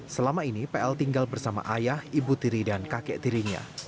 selama ini pl tinggal bersama ayah ibu tiri dan kakek tirinya